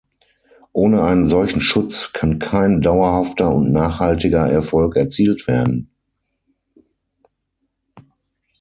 Ohne einen solchen Schutz kann kein dauerhafter und nachhaltiger Erfolg erzielt werden.